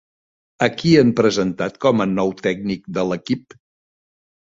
A qui han presentat com a nou tècnic de l'equip?